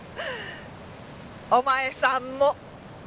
お前さんも！